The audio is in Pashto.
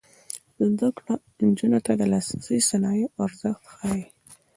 زده کړه نجونو ته د لاسي صنایعو ارزښت ښيي.